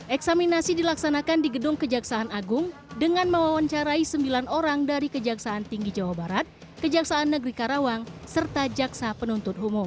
eksaminasi dilaksanakan di gedung kejaksaan agung dengan mewawancarai sembilan orang dari kejaksaan tinggi jawa barat kejaksaan negeri karawang serta jaksa penuntut umum